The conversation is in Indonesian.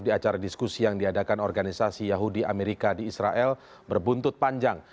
di acara diskusi yang diadakan organisasi yahudi amerika di israel berbuntut panjang